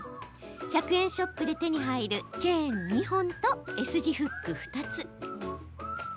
１００円ショップで手に入るチェーン２本と、Ｓ字フック２つ。